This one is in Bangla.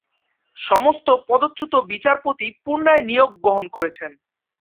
সমস্ত পদচ্যুত বিচারপতি পুনরায় নিয়োগ গ্রহণ করেছেন।